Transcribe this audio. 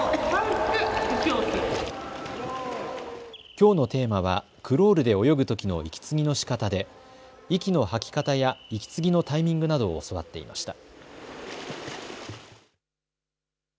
きょうのテーマはクロールで泳ぐときの息継ぎのしかたで息の吐き方や息継ぎのタイミングなどを教わっていました。